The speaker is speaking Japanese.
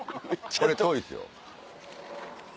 これ遠いですよ。